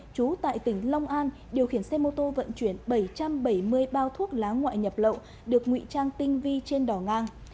chú tại tỉnh long an điều khiển xe mô tô vận chuyển bảy trăm bảy mươi bao thuốc lá ngoại nhập lậu được nguy trang tinh vi trên đỏ ngang